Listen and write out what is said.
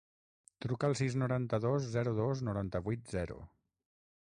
Truca al sis, noranta-dos, zero, dos, noranta-vuit, zero.